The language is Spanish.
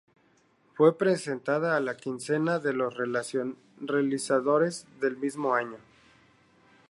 Fue presentada a la Quincena de los realizadores del mismo año.